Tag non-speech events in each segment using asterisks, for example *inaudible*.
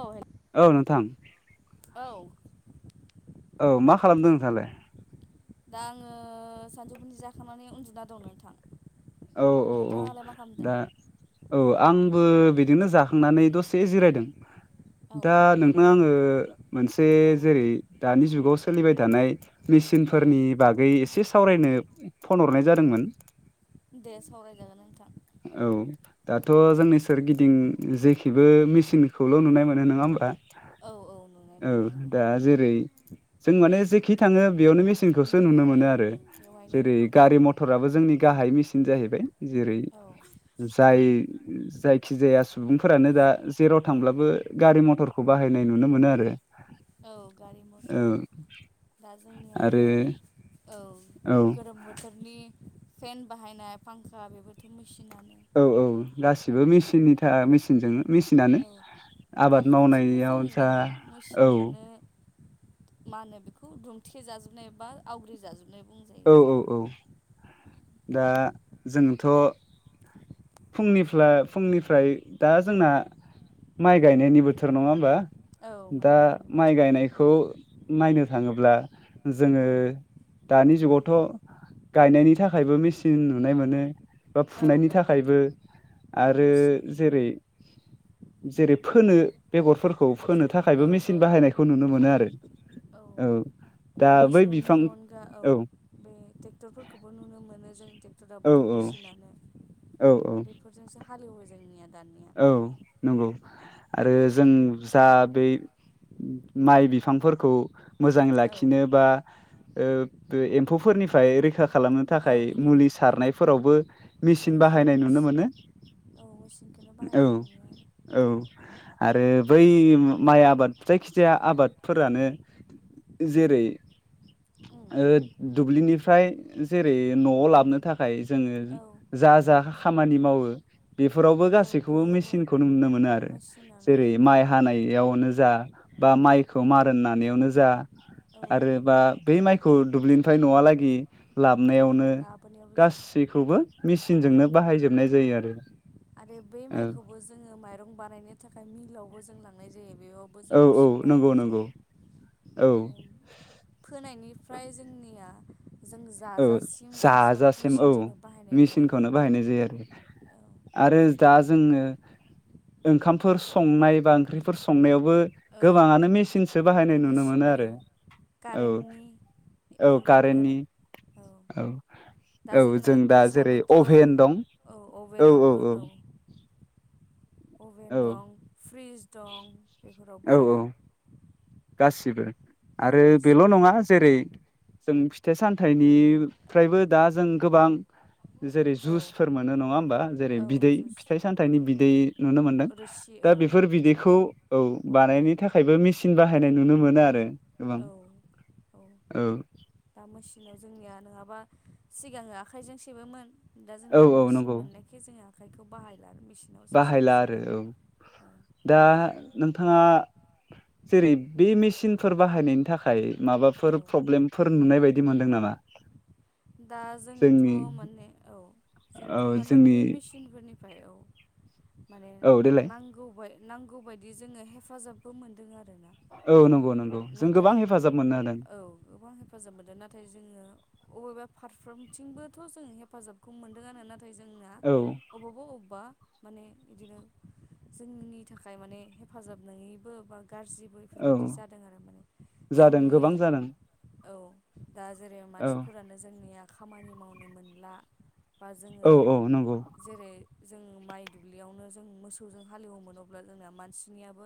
औ औ नोंथां औ। औ मा खालामदों नोंथाङालाय? दा आङो सानजौफुनि जाखांनानै उन्दुना दं नोंथां। औ औ औ नोंथाङालाय मा खालामदों दा औ आंबो बिदिनो जाखांनानै दसे द'से जिरायदों। औ दा नोंथाङा आङो मोनसे औ जेरै दानि जुगाव सोलिबाय थानाय मेसिन औ ए फोरनि बागै एसे सावरायनो फन हरनाय जादोंमोन, दे सावरायजागोन औ नोंथां। दाथ' जोंनि सोरगिदिं जेखिबो मिसिनखौल' नुनाय मोनो नङा होमबा? औ औ नुनाय औ मोनो दा जेरै जों माने जेखि थाङो बेयावनो मेसिनखौ नुनो बेयावनो औ मोनो आरो बेवहायनो जेरै नुबाय गारि मथराबो जोंनि गाहाय मेसिन जाहैबाय जेरै औ जाय जायखिजाया सुबुंफोरानो दा जेराव थांब्लाबो गारि मथरखौ बाहायनाय नुनो मोनो आरो औ गारि औ मथर दा जोंनि आरो औ औ गोलोम बोथोरनि फेन बाहायनाय फांखा बेबोथ' मेसिनानो औ औ गासिबो मेसिननि थाखाय मेसिनजों मेसिनानो औ आबाद फारफ्रोमथिंबो मावनायाव जों जा ओं औ मेचिनजोंनो मा होनो बेखौ दुमथे जाजोबनाय बा आवग्रि जाजोबनाय बुं औ औ औ दा जोंथ' फुंनिफ्राय फुंनिफ्राय दा जोंना माइ गायनायनि बोथोर नङा होमबा? औ माइ दा गायनायनि माइ गायनायखौ नायनो थाङोब्ला जोङो बोथोर दानि जुगावथ' गायनायनि थाखायबो मेसिन नुनाय मोनो बा औ औ फुंनायनि गायनायनि थाखायबो थाखाय औ आरो मेचिन नुयो जेरै जेरै फोनो बेगरफोरखौ फोनो थाखायबो औ औ मेसिन बाहायनायखौ नुनो मोनो आरो औ। दा बै मोसौनि बिफां अनगा औ बे ट्रेक्टरफोरखौबो नुनो मोनो जों औ टेक्टराबोथ' औ मेसिनानो औ औ दा बेफोरजोंसो हालेवो जोंनिया दानिया औ नंगौ आरो जों जा बै माइ बिफांफोरखौ मोजाङै औ लाखिनो बा ओ एम्फौफोरनिफ्राय रैखा खालामनो औ थाखाय रैखा मुलि ओं सारनायफोरावबो औ मेसिन जों बाहायनाय नुनो मोनो औ मेचिनखौनो औ बाहायनाय नुयो औ आरो बै माइ आबाद जायखिजाया आबादफोरानो जेरै ओ दुब्लिनिफ्राय जेरै न'आव लाबोनो थाखाय जोङो आरो औ जा जा खामानि मावो बेफोरावबो औ गासैखौबो बेयावबो मेसिनखौ नुनो मोनो आरो मेचिनानो जेरै माइ हानायावनो जा बा मायखौ ओं उम मारोन नानायावनो जा औ आरोबा बे माय खौ दुब्लिनिफ्राय न'वालागि औ लाबनायावनो लाबोनायावबो गासैखौबो औ मेसिनजोंनो बाहायजोबनाय जायो आरो। आरो बै माइखौबो जोङो माइरं बानायनो थाखाय मिलावबो जों लांनाय जायो। बेयावबो जों औ औ मेचिन नंगौ बाहायनाय नंगौ जायो। औ फोनायनिफ्राय जोंनिया जों औ जाजासिम जों सब जाजासिम औ मेचिनजोंनो बाहायनाय जायो मेसिनखौनो बाहायनाय जायो औ आरो आरो दा जोङो, ओंखामफोर संनाय बा ओंख्रिफोर संनायावबो, औ गोबाङानो मेसिनसो बाहायनाय नुनो मेचिन मोनो आरो औ औ कारेन्टनि औ बेफोरबायदि कारेन्टनि आरो औ दा औ जोंना जों दा जेरै गेसबोथ' अभेन दं औ अभेनावबो औ। अभेन दं फ्रिज दं औ बेफोरावबो आरो। औ गासिबो औ आरो बेल' गासिबो नङा जेरै जों फिथाइ सामथाइनिफ्रायबो दा जों गोबां जेरै औ जुसफोर मोनो नङा हबा जेरै औ बिदै जुस फिथाइ सामथाइनि औ बिदै नुनो मोनदों रोसि दा दा औ बेफोर बिदैखौ औ बानायनो थाखायबो मेचिन बाहायनाय नुनो मोनो आरो गोबां औ औ दा मेसिनाव जोंनिया नङाबा सिगाङो आखाइजों सेबोमोन दा औ जोंना औ मेसिन नंगौ मोननायखाय जोङो आखाइखौ बाहाय लार मेसिनावसो बाहायला सेब सै आरो औ दा नोंथाङा जेरै बे मेसिनफोर बाहायनायनि थाखाय औ माबाफोर प्रब्लेमफोर नुनाय बायदि मोनदों नामा। *unintelligible* दा जोंथ' जोंनि माने औ। जोंथ' औ माने जोंनि बे मेसिनफोरनिफ्राय औ माने औ देलाय नांगौबाय नांगौबायायदि जोङो हेफाजाबबो मोनदों आरोना। औ नंगौ। नंगौ जों नाथाय गोबां हेफाजाब मोननो हादों औ गोबां हेफाजाब मोनदों नाथाय जोङो अबेबा फारफ्रोमथिंबोथ' जों हेफाजाबखौ मोनदोंआ नाथाय जोंना औ अबावबा अबावबा माने बिदिनो जोंनि थाखाय माने हेफाजाब नङैबो बा गाज्रिबो औ बेफोरबायदि जादों आरो माने जादों जोंनि गोबां जादों औ। दा जेरै औ मानसिफोरानो जोंनिया खामानि मावनो मोनला बा जोङो औ औ नंगौ जेरै जों माइ दुब्लियावनो जों मोसौजों हालेवोमोनोब्ला जोंना मानसिनियाबो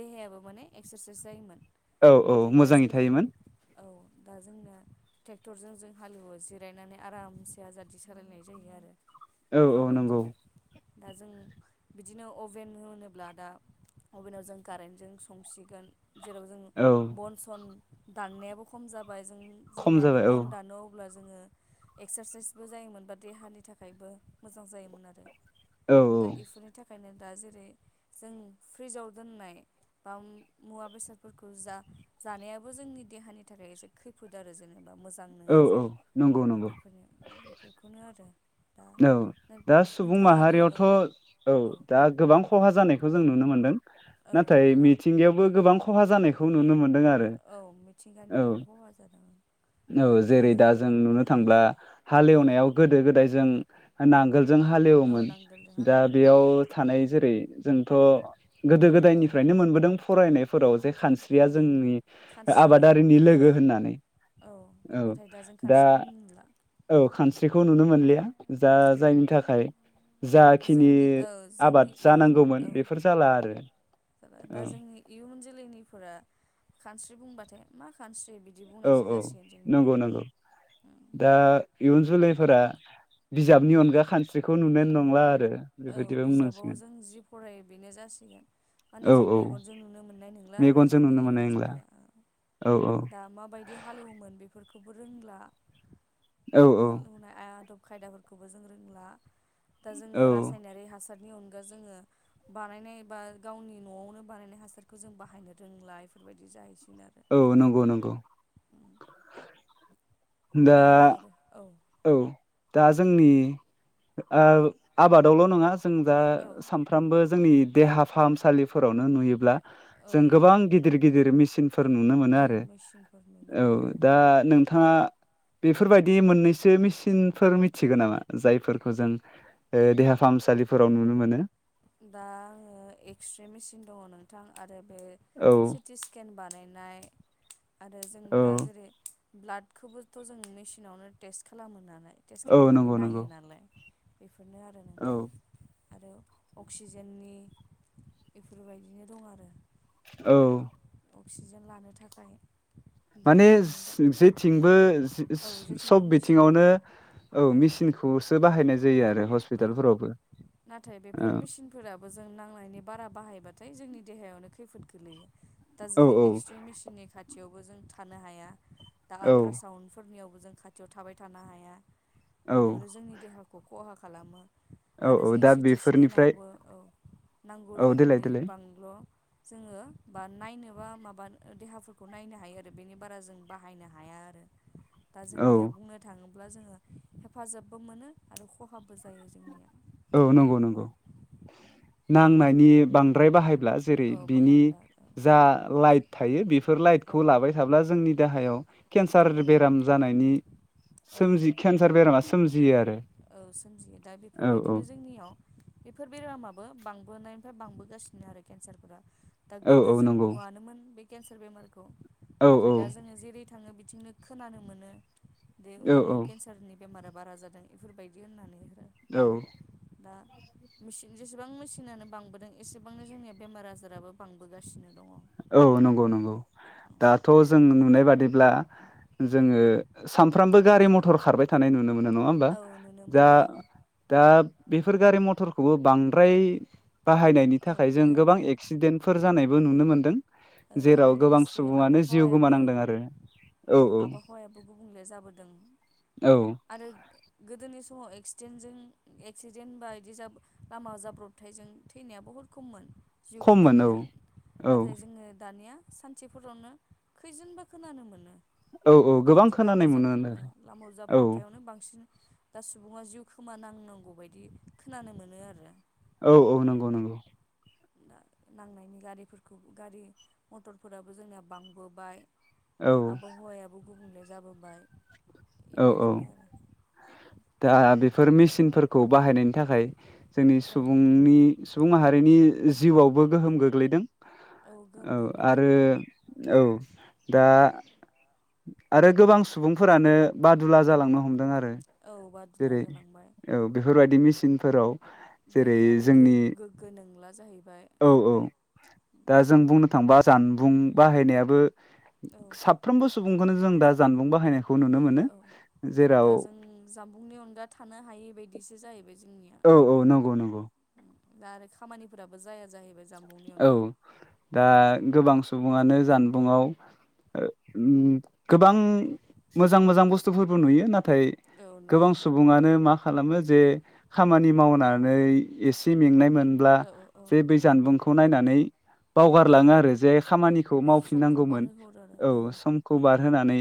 देहायाबो माने एक्सारसाइस जायोमोन। औ औ नाथाय दा मोजाङै जोङो थायोमोन औ दा जोंना ट्रेक्टरजों जों हालेवो जिरायनानै आरामसे आजादि सालायनाय जायो आरो। औ औ बेफोरबायदि नंगौ। दा जों बिदिनो अभेन होनोब्ला दा अभेनाव जों कारेन्टजों संसिगोन। जेराव जों औ बन सन दाननायाबो खम जाबाय जों खम जेब्ला जाबाय औ बन दानो अब्ला जोङो एक्सारसाइसबो जायोमोन बा देहानि थाखायबो मोजां जायोमोन आरो। औ दा औ बेफोरनि थाखायनो दा जेरै जों फ्रिजाव दोननाय बा मुवा बेसादफोरखौ जा जानायाबो जोंनि देहानि थाखाय एसे खैफोद आरो जेनेबा। बा मोजां औ नङा औ जों नंगौ नंगौ बेफोरनो बेफोरखौनो आरो दा औ दा सुबुं नोंथाङा आरो औ माहारियावथ' औ दा गोबां खहा जानायखौ जों नुनो नुनो मोनदों औ नाथाय खहा मिथिंगायावबो गोबां खहा जानायखौ नुनो मोनदों आरो। औ औ मिथिंगानिफ्रायबो खहा जादों। औ जेरै दा जों नुनो थांब्ला औ हालेवनायाव गोदो गोदाय जों नांगोलजों औ हालेवोमोन नांगोलजों दा हालेवोमोन बेयाव थानाय जेरै जोंथ' गोदो औ गोदायनिफ्रायनो मोनबोदों फरायनायफोराव जे खानस्रिया औ जोंनि खानस्रि औ आबादारिनि लोगो होननानै। औ नाथाय दाजों दा खास्रिखोन नुला औ खानस्रिखौ नुनो मोनलिया जा जायनि थाखाय जाखिनि जोंनि औ जोंनि आबाद इयुन जानांगौमोन औ बेफोर जाला आरो दा औ जोंनि इयुन जोलैनिफोरा खानस्रि बुंबाथाय मा खानस्रि बिदि औ बुंनायसो औ जासिगोन जोंनिया नंगौ नंगौ दा। इयुन जोलैफोरा बिजाबनि अनगा खानस्रिखौ नुनाय नंला आर औ बिजाबाव जों जि फरायो बेनो जासिगोन। माने औ जों औ मेगनजों नुनो मोननाय नंला आरो मेगनजों जोंनि नुनो मोननाय इयुन नंला जोलैया औ औ दा माबाय हालौवोमोन बेफोरखौबो रोंला औ औ हालौवनाय आदब। खायदाफोरखौबो जों रोंला दा औ जोङो राज हासारनि अनगा जोङो बानायनाय बा गावनि न'आवनो बानायनाय हासारखौ जों बाहायनो रोंला। दा इफोरबायदि जायैसै औ नंगौ नंगौ। दा आरो औ। औ दा जोंनि ओ आबादावल' नङा। जों दा औ सामफ्रामबो जोंनि देहा फाहामसालिफोरावनो नुयोब्ला। जों औ गोबां गिदिर गिदिर मेसिन फोर नुनो मोनो औ आरो मेचिनफोर नुनो औ मोनो दा नोंथाङा बेफोरबायदि मोननै सो मिसिनफोर मिथिगौ नामा जायफोरखौ जों ओ देहा फाहामसालिफोराव नुनो मोनो। दा आङो एक्सरे मेसिन दङ नोंथां आरो बे औ सिटि स्केन बानायनाय आरो जों औ दा जेरै ब्लाड। खौबोथ' जों मेसिनावनो टेस्ट खालामो नालाय टेस्ट औ खालामनानै नंगौ नंगौ नायो नालाय। बेनो आरो औ नोंथां आरो अक्सिजेननि बेफोरबायदिनो दं आरो औ अक्सिजेन लानो थाखाय दा माने बेफोरनो दा जेथिंबो औ जेथिंबो सब मेसिनानो बिथिङावनो औ मेसिनखौसो बाहायनाय जायो आरो औ हस्पिटालफोरावबो। नाथाय बेफोर औ मेसिनफोराबो जों नांनायनि बारा बाहायबाथाय जोंनि देहायावनो खैफोद। गोलैयो दा औ जों औ एक्सरे मेसिननि खाथियावबो जों थानो हाया। दा औ आल्ट्रा साउन्डफोरनियावबो जों खाथियाव थाबाय थानो हाया। औ बेफोरो जोंनि देहाखौ खहा खालामो। औ आरो औ जों दा सिटि बेफोरनिफ्राय स्केनावबो औ नांगौ औ देलाय रोखोमनि देलाय बांल'। जोङो बा नायनोबा माबा देहाफोरखौ नायनो हायो। आरो बेनि बारा जों बाहायनो हाया आरो *inaudible* दा औ जोंनिया बुंनो थाङोब्ला जोङो हेफाजाबबो मोनो आरो खहाबो जायो जोंनिया औ नंगौ नंगौ नांनायनि बांद्राय बाहाय ब्ला जेरै औ बिनि बाहायब्ला जा लाइट थायो बेफोर औ लाइटखौ लाबाय थाब्ला जोंनि देहायाव केन्सार औ बेराम जानायनि औ सोमजि केन्सार बेरामा सोमजियो आरो सोमजियो दा बेफोरो औ औ बेबायदिनो जोंनियाव बेफोर बेरामाबो बांबोनायनिफ्राय बांबोगासिनो आरो केन्सारफोरा दा औ गोदो औ जों नंगौ नुआानोमोन बे केन्सार बेमारखौ औ नाथाय दा औ जोङो जेरै थाङो बिथिंनो खोनानो मोनो दे औ उमुगाव केन्सारनि बेमारा बारा जादों बेफोरबायदि होननानै औ दा मेसिन जेसेबां मेसिनानो बांबोदों एसेबांनो जोंनिया बेमार आजाराबो बांबोगासिनो दङ। औ नंगौ नंगौ दाथ' जों नुनाय बादिब्ला जोङो औ सामफ्रामबो गारि मथर खारबाय थानाय नुनो। मोनो नङा होमबा औ नुनो दा मोनो औ दा बेफोर गारि मथरखौबो बांद्राय बाहायनायनि औ थाखाय जों बाहायनो गोबां थाखाय एक्सिडेन्टफोर जानायबो नुनो मोन्दों। औ आरो जेराव गोबां लोगोसे सुबुङानो जिउ आबहावायाबो गोमानांदों आरो। औ आबहावायाबो गुबुंले जाबोदों औ आरो गोदोनि समाव एक्सिडेन्टजों एक्सिडेन्ट बा बिदि जाब लामा जाब्रबथायजों थैनाया बहुद खममोन। जिउ खममोन औ गोमानाया औ नाथाय जोङो दानिया सानसेफोरावनो खैजोनबा खोनानो मोनो। औ औ दाय गोबां बिदि लामा खोनानाय मोनो जाब्र आरो लामा औ जाब्रबथायावनो बांसिन दा सुबुङा जिउ खोमानांनांगौ बायदि खोनानो मोनो आरो। औ औ नंगौ नंगौ। दा नांनायनि गारिफोरखौ गारि मटरफोराबो जोंनिया बांबोबाय। औ आबहावायाबो गुबुंले जाबोबाय। औ औ बेबायदिनो आरो। दा बेफोर मेसिनफोरखौ बाहायनायनि थाखाय जोंनि आरो औ सुबुंनि सुबुं माहारिनि जिउआवबो गोहोम गोग्लैदों। गोहोम औ गोग्लैदों आरो औ दा आरो गोबां सुबुंफोरानो बादुला उम जालांनो हमदों आरो औ बादुला जेरै जालांबाय औ बेफोरबायदि मेसिनफोराव जेरै देहायाबो जोंनि गो-गोग्गो नंला। जाहैबाय औ औ दा जों बुंनो थांबा जानबुं बाहायनायाबो औ साफ्रोमबो सुबुंखौनो जों दा जानबुं बाहायनायखौ नुनो मोनो औ जेराव दा जों जामबुंनि अनगा थानो हायै बदिसो जाहैबाय जोंनि औ औ नंगौ नंगौ। दा आरो खामानिफोराबो जाया जाहैबाय। जामबुंनि औ अनगा दा गोबां सुबुङानो जानबुंआव ओ उम गोबां मोजां मोजां बुस्थुफोरबो नुयो नाथ नाथाय औ गोबां नुयो सुबुङानो मा खालामो जे खामानि मावनानै एसे मेंनाय मोन नब्ला औ औ जे बै जानबुंखौ नायनानै औ बावगारलाङो आरो जे खामानिखौ समखौ मावफिननांगौमोन बारहोहरो औ आरो समखौ बारहोनानै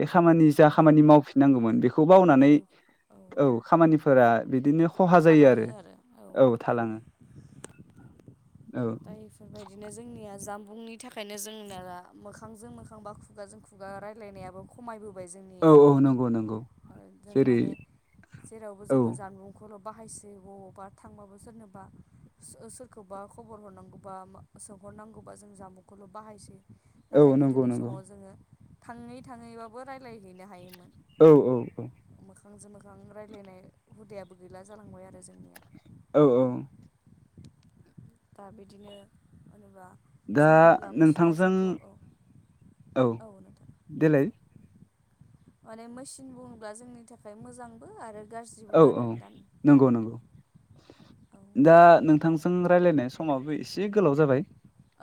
बे खामानि जा औ खामानि मावफिननांगौमोन बेखौ औ बावनानै बे औ खामानिफोरा बिदिनो खहा जायो आरो औ थालाङो। औ दा इफोरबायदिनो जोंनिया जानबुंनि थाखायनो जोंना मोखांजों मोखां बा खुगाजों खुगा राय्लायनायाबो खमायबो औ जोंनिया औ नंगौ नंगौ जों जेरै माने जेरावबो औ जोङो जानबुं ल' बाहायसै बबावबा थांबाबो सोरनोबा सोरखौबा खबर हरनांगौबा सोंहरनांगौबा जों जामबुंखौल' बाहायसै। औ नाथाय नंगौ गोदोनि नंगौ समाव जोङो थाङै थाङैबाबो रायज्लायहैनो हायोमोन। औ औ औ। मोखांजों मोखां रायज्लायनाय हुदायाबो गैला जालांबाय आरो जोंनिया। औ औ। दा बिदिनो होनोबा दा नोंथांजों औ देलाय माने मेसिन बुङोब्ला जोंनि थाखाय मोजांबो आरो गाज्रिबो औ औ आरो दा नंगौ औ नंगौ। दा नोंथांजों राय्लायनाय समाबो एसे गोलाव जाबाय।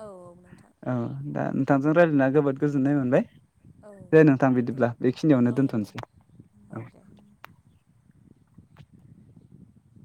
औ औ नोंथां। औ दा नोंथांजों रायज्लायना जोबोद गोजोन्नाय मोनबाय। औ दे नोंथां दे बिदिब्ला बेखिनियावनो औ दे दोनथ'नोसै औ।